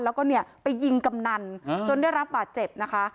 แล้วก็เนี่ยไปยิงกำนันจนได้รับบาดเจ็บนะคะ